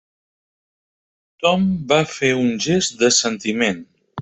Tom va fer un gest d'assentiment.